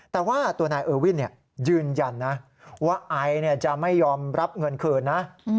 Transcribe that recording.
แต่ว่าตัวนายเออวินยืนยันนะว่าไอจะไม่ยอมรับเงินคืนนะ